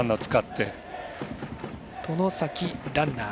外崎、ランナー。